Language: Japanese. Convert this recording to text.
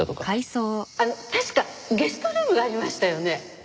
あの確かゲストルームがありましたよね？